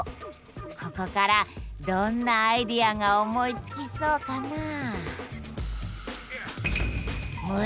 ここからどんなアイデアが思いつきそうかなあ？